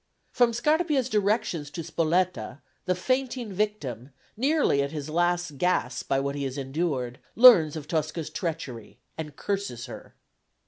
From Scarpia's directions to Spoletta, the fainting victim, nearly at his last gasp by what he had endured, learns of Tosca's treachery, and curses her.